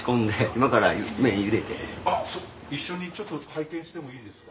あっ一緒にちょっと拝見してもいいですか？